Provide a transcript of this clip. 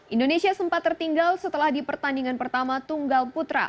indonesia sempat tertinggal setelah di pertandingan pertama tunggal putra